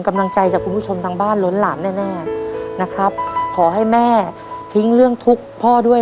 ก็จะได้รับโมนัสกลับบ้านไปเลย